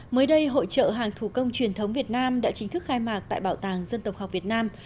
mới đây hội trợ hàng thủ công truyền thống việt nam đã chính thức khai mạc tại bảo tàng dân tộc học việt nam